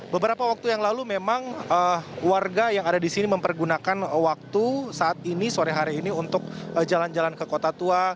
beberapa waktu yang lalu memang warga yang ada di sini mempergunakan waktu saat ini sore hari ini untuk jalan jalan ke kota tua